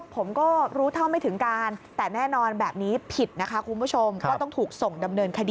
ผมก็รู้เท่าไม่ถึงการแต่แน่นอนแบบนี้ผิดนะคะคุณผู้ชม